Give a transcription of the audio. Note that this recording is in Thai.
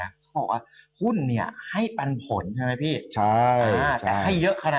ถ่ายว่าคุณเนี่ยให้ปันผลใช่ไหมพี่